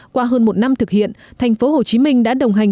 qua hơn một năm thực hiện tp hcm đã đồng hành